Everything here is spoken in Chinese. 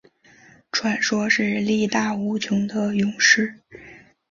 传说是力大无穷的勇士。